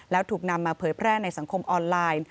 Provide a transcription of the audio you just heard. แล้วถูกนำมาเผยแพร่ในสังคมออนไลน์